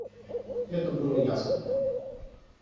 Это было ясно.